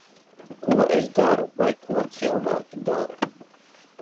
Ko es daru, vai ko cilvēki dara?